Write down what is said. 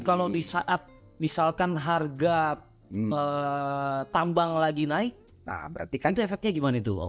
kalau di saat misalkan harga tambang lagi naik berarti kan itu efeknya gimana tuh